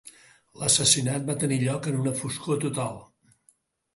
L'assassinat va tenir lloc en una foscor total.